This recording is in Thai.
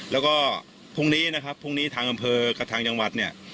แล้วก็พรุ่งนี้นะครับพรุ่งนี้ทางอำเภอกับทางจังหวัดเนี่ย